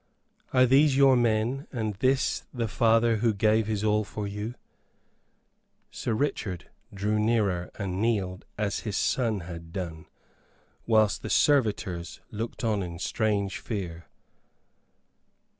Are these your men, and this the father who gave his all for you?" Sir Richard drew nearer and kneeled as his son had done, whilst the servitors looked on in strange fear.